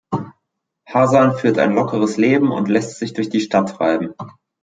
Hasan führt ein lockeres Leben und lässt sich durch die Stadt treiben.